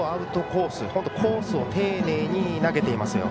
コースを丁寧に投げていますよ。